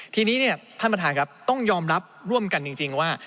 ทีนี้เนี่ยท่านประธานครับต้องยอมรับร่วมกันจริงว่า